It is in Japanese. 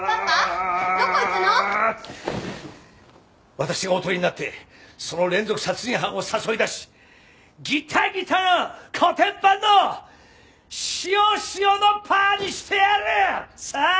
私がおとりになってその連続殺人犯を誘い出しギタギタのコテンパンのシオシオのパーにしてやる！さあ！